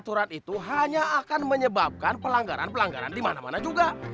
aturan itu hanya akan menyebabkan pelanggaran pelanggaran di mana mana juga